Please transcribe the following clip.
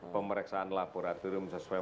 pemeriksaan laboratorium sesuai